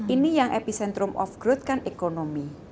ini yang epicentrum of growth kan ekonomi